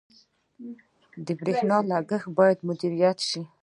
• د برېښنا لګښت باید مدیریت شي.